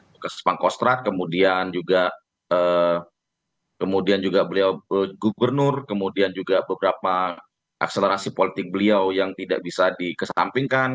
bekas pangkostrat kemudian juga kemudian juga beliau gubernur kemudian juga beberapa akselerasi politik beliau yang tidak bisa dikesampingkan